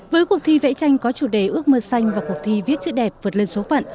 với cuộc thi vẽ tranh có chủ đề ước mơ xanh và cuộc thi viết chữ đẹp vượt lên số phận